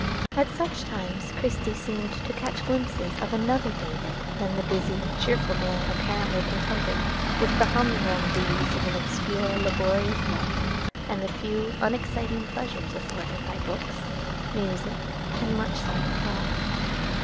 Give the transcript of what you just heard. At such times Christie seemed to catch glimpses of another David than the busy, cheerful man apparently contented with the humdrum duties of an obscure, laborious life, and the few unexciting pleasures afforded by books, music, and much silent thought.